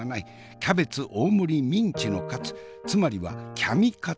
キャベツ大盛りミンチのカツつまりはキャミカツ。